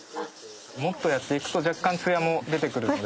もっとやっていくと若干ツヤも出てくるので。